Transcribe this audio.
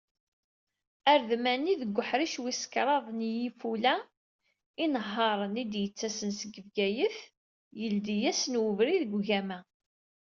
Aredmani deg uḥric wis kraḍ n yifula, inehhaṛen i d-yettasen seg Bgayet yettwaldi-asen ubrid seg ugama.